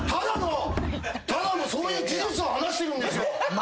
ただのそういう事実を話してるんですよ！